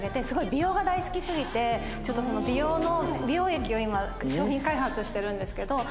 すごい美容が大好きすぎてちょっと美容液を今商品開発してるんですけど。